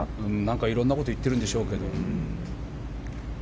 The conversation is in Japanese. いろんなこと言ってるんでしょうけど。